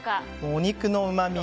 お肉のうまみ